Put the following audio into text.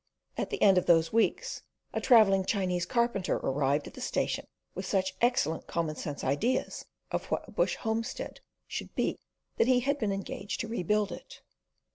At the end of those weeks a travelling Chinese carpenter arrived at the station with such excellent common sense ideas of what a bush homestead should be, that he had been engaged to rebuild it.